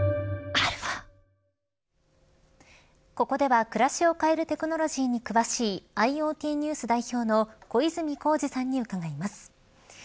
ここでは暮らしを変えるテクノロジーに詳しいＩｏＴＮＥＷＳ代表の小泉耕二さんに伺います。